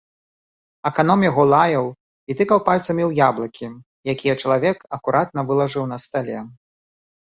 Аканом яго лаяў і тыкаў пальцамі ў яблыкі, якія чалавек акуратна вылажыў на стале.